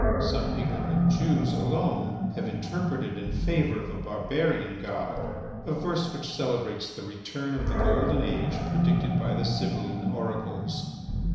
Some ignorant Jews alone have interpreted in favour of a barbarian god a verse which celebrates the return of the golden age predicted by the Sibylline oracles.